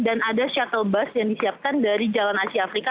dan ada shuttle bus yang disiapkan dari jalan asia afrika